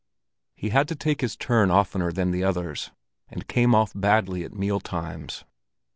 He had to take his turn oftener than the others, and came off badly at mealtimes.